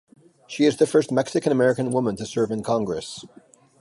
She is the first Mexican-American woman to serve in Congress.